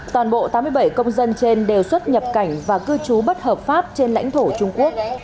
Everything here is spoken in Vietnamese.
toàn bộ tám mươi bảy công dân trên đều xuất nhập cảnh và cư trú bất hợp pháp trên lãnh thổ trung quốc